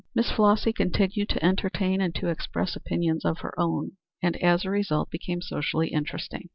Miss Flossy continued to entertain and to express opinions of her own, and as a result became socially interesting.